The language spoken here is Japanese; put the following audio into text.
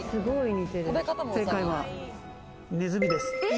正解はネズミです。